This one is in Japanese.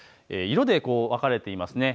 色で分かれています。